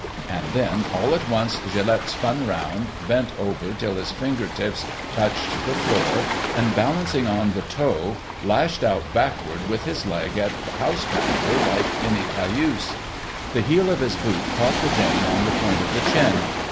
And then, all at once, Gilet spun around, bent over till his finger tips touched the floor, and balancing on the toe, lashed out backwards with his leg at Haushaulder, like any cayuse. The heel of his boot caught the Dane on the point of the chin.